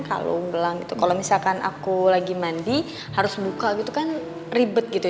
kalau misalkan aku lagi mandi harus buka gitu kan ribet gitu